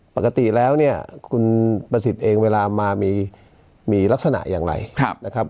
ปกติแล้วเนี่ยคุณประสิทธิ์เองเวลามามีลักษณะอย่างไรนะครับ